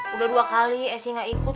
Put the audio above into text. udah dua kali essi gak ikut